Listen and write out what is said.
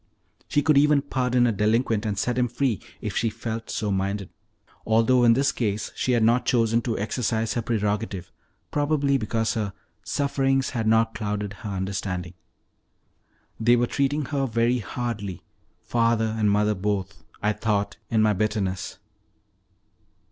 She could even pardon a delinquent and set him free if she felt so minded, although in this case she had not chosen to exercise her prerogative, probably because her "sufferings had not clouded her understanding." They were treating her very hardly father and mother both I thought in my bitterness.